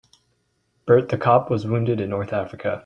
Bert the cop was wounded in North Africa.